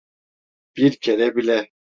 Bir kere bile.